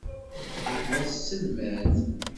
Taninna tesselmad.